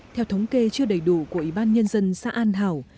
theo thống kê chưa đầy đủ của ủy ban nhân dân xã an hảo